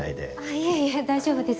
いえいえ大丈夫です